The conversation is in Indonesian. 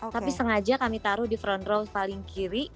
tapi sengaja kami taruh di front row paling kiri